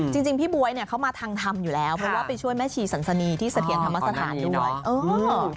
จริงจริงพี่บ๊วยเนี่ยเขามาทางธรรมอยู่แล้วเพราะว่าไปช่วยแม่ชีสันสนีที่เสถียรธรรมสถานด้วยเออ